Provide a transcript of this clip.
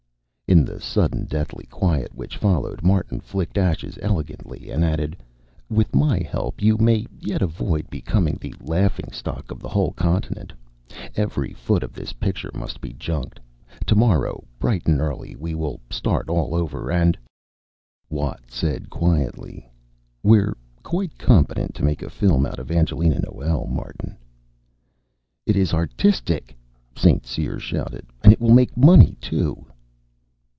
In the sudden, deathly quiet which followed, Martin flicked ashes elegantly and added, "With my help, you may yet avoid becoming the laughing stock of the whole continent. Every foot of this picture must be junked. Tomorrow bright and early we will start all over, and " Watt said quietly, "We're quite competent to make a film out of Angelina Noel, Martin." "It is artistic!" St. Cyr shouted. "And it will make money, too!"